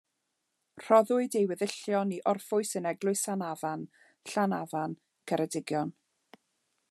Rhoddwyd ei weddillion i orffwys yn Eglwys Sant Afan, Llanafan, Ceredigion.